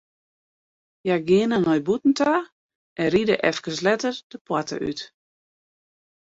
Hja geane nei bûten ta en ride eefkes letter de poarte út.